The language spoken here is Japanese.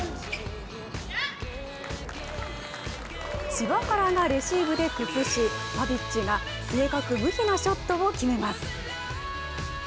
柴原がレシーブで崩し、パビッチが正確無比なショットを決めます。